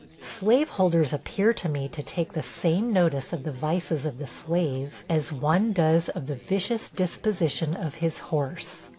Slaveholders appear to me to take the same notice of the vices of the slave, as one does of the vicious disposition of his horse.